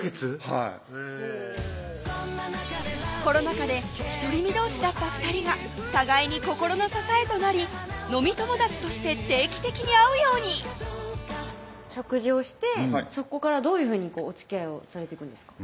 はいへぇコロナ禍で独り身どうしだった２人が互いに心の支えとなり飲み友達として定期的に会うように食事をしてそこからどういうふうにおつきあいをされていくんですか？